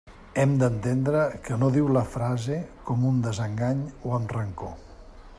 Hem d'entendre que no diu la frase com un desengany o amb rancor.